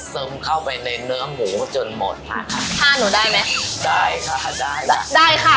ซึมเข้าไปในเนื้อหมูจนหมดค่ะค่าหนูได้ไหมได้ค่ะได้ล่ะได้ค่ะ